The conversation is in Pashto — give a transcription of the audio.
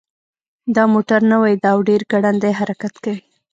دا موټر نوی ده او ډېر ګړندی حرکت کوي